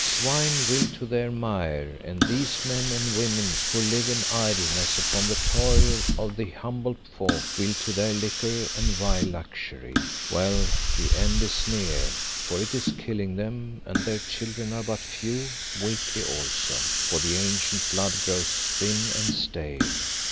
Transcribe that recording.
Swine will to their mire and these men and women, who live in idleness upon the toil of the humble folk, will to their liquor and vile luxury. Well, the end is near, for it is killing them, and their children are but few; weakly also, for the ancient blood grows thin and stale.